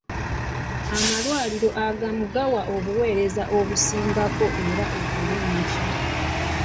Amalwaliro agamu gawa obuweereza obusingako era obulungi.